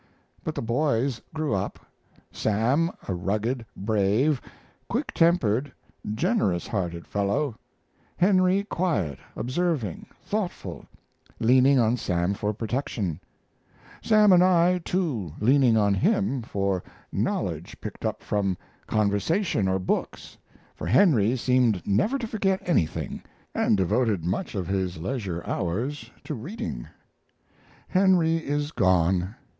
But the boys grew up Sam a rugged, brave, quick tempered, generous hearted fellow, Henry quiet, observing, thoughtful, leaning on Sam for protection; Sam and I too leaning on him for knowledge picked up from conversation or books, for Henry seemed never to forget anything, and devoted much of his leisure hours to reading. Henry is gone!